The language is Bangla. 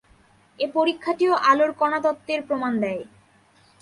এ পরীক্ষাটিও আলোর কণাতত্ত্বের প্রমাণ দেয়।